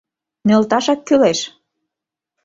Нӧлташак кӱлеш...